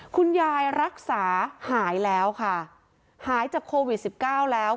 คุณยายรักษาหายแล้วค่ะหายจากโควิดสิบเก้าแล้ว